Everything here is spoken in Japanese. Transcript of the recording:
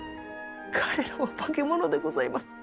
彼らは化け物でございます！